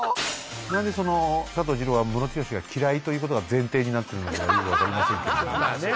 何で佐藤二朗はムロツヨシが嫌いということが前提になってるのかがよく分かりませんけど。